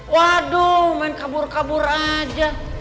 waduh main kabur kabur aja